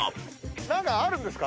何かあるんですか？